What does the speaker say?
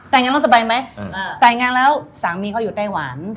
แต่งงานต้องสบายไหมแต่งงานแล้วสามีเขาอยู่ไต้หวัน